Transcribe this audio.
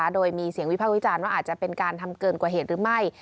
โดยมีเสียงวิพากษ์วิจารณ์ว่าอาจจะเป็นการทำเกินกว่าเหตุหรือไม่